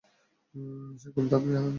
সে খুব মেধাবী।